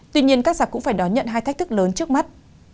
tuy nhiên các giặc cũng phải đón nhận hai thách thức lớn trước mắt